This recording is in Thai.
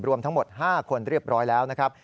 รวมทั้งหมด๕คนเรียบร้อยแล้วนะครับ